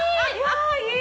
いい！